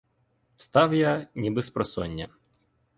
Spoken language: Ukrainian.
Встав я, ніби спросоння.